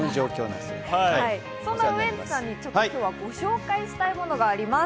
そんなウエンツさんにご紹介したいものがあります。